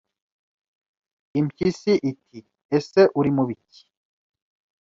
Impyisi iti ese uri mu biki